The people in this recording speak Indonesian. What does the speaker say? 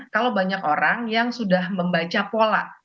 kalau banyak orang yang sudah membaca pola